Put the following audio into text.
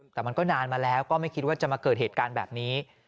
แต่มันก็นานมาแล้วก็ไม่คิดว่าจะมาเกิดเหตุการณ์แบบนี้